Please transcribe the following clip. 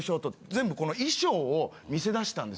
全部衣装を見せだしたんですよ。